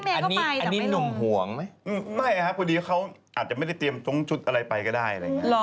อันนี้หนุ่มหวงไหมไม่พอดีเขาอาจจะไม่ได้เตรียมตรงชุดอะไรไปก็ได้